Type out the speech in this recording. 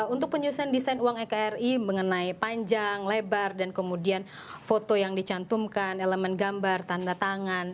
untuk penyusunan desain uang ekri mengenai panjang lebar dan kemudian foto yang dicantumkan elemen gambar tanda tangan